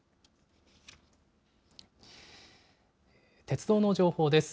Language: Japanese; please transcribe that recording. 鉄道の情報です。